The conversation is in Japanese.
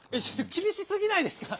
きびしすぎないですか？